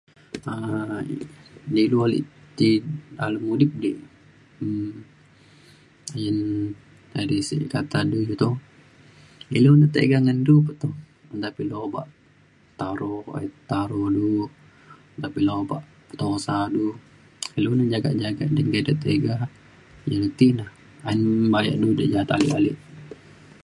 um ilu ale ti alem udip di um ayen di sek kata du ke toh. ilu ne tiga ngan du pe toh. nta pa ilu obak taro kuak ilu taro du nta pa ilu obak petusa du ilu de jagak jagak [unintelligible] de tiga. ilu ti na ayen bayak du de ja’at ale ale.